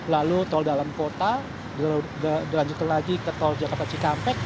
lalu tol dalam kota dilanjutkan lagi ke tol jakarta cikampek